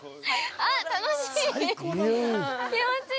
あっ、楽しい。